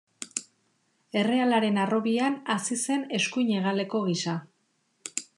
Errealaren harrobian hazi zen eskuin hegaleko gisa.